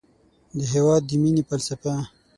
د هېواد د مینې فلسفه